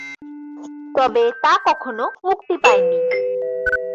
তবে তা কখনো মুক্তি পায়নি।